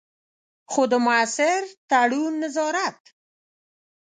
خو د مؤثر تړون، نظارت.